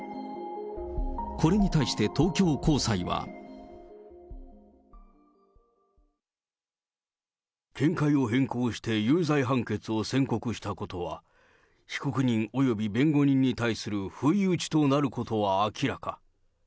これに対して東京高裁は。見解を変更して有罪判決を宣告したことは、被告人および弁護人に対する不意打ちとなることは明らか。